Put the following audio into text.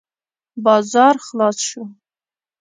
بازار خلاص شو.